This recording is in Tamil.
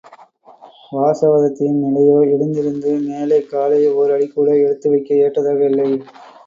வாசவதத்தையின் நிலையோ எழுந்திருந்து மேலே காலை ஒர் அடிகூட எடுத்து வைக்க ஏற்றதாக இல்லை.